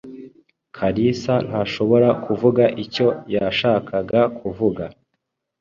Kalisa ntashobora kuvuga icyo yashakaga kuvuga.